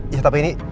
ya tapi ini